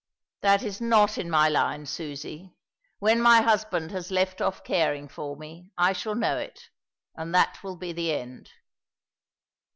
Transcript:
"That is not in my line, Susie. When my husband has left off caring for me I shall know it, and that will be the end."